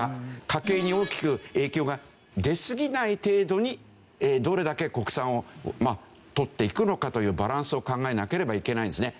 家計に大きく影響が出すぎない程度にどれだけ国産を取っていくのかというバランスを考えなければいけないんですね。